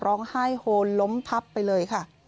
ร้องไห้โฮนล้มพับไปเลยค่ะ